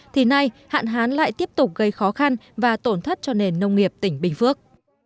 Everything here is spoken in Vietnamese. thì nay hạn hán lại tiếp tục gây khó khăn và tổn thất cho nền nông nghiệp tỉnh bình phước